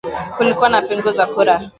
kulikuwa na pengo za kura